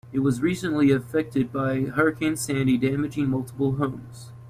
It was recently affected by Hurricane Sandy, damaging multiple homes.